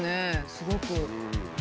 すごく。